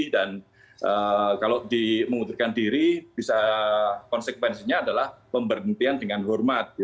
dan kalau di mengundurkan diri bisa konsekvensinya adalah pemberhentian dengan hormat